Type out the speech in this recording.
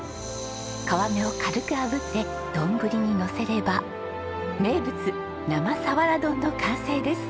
皮目を軽くあぶって丼にのせれば名物生サワラ丼の完成です。